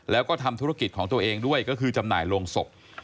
แล้วก็ทำธุรกิจของตัวเองด้วยก็คือจำหน่ายโรงศพ